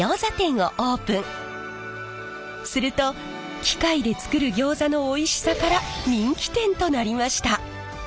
すると機械で作るギョーザのおいしさから人気店となりました。